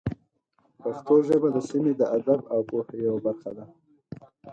پښتو ژبه د سیمې د ادب او پوهې یوه برخه ده.